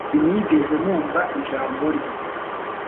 Sinigeze numva ijambo rye